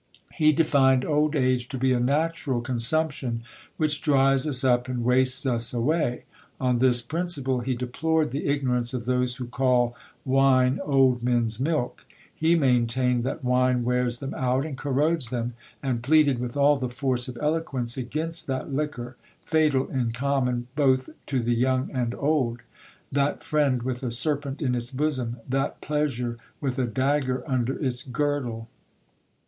He defined old age to be a natural consumption which dries us up and wastes us away : on this principle, he deplored the ignorance of those who call wine old men's milk. He maintained that wine wears them out and corrodes them, and pleaded with all the force of eloquence against that liquor, fatal in com mon both to the young and old, that friend with a serpent in its bosom, that pleasure with a dagger under its girdle.